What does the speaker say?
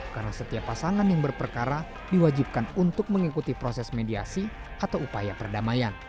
karena setiap pasangan yang berperkara diwajibkan untuk mengikuti proses mediasi atau upaya perdamaian